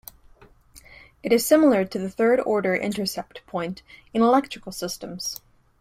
It is similar to the third-order intercept point in electrical systems.